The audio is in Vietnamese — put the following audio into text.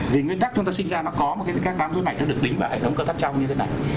vì nguyên tắc chúng ta sinh ra nó có mà các đám thuốc này nó được đính vào hệ thống cơ tác trong như thế này